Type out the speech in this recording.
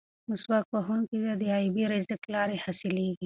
مسواک وهونکي ته د غیبي رزق لارې خلاصېږي.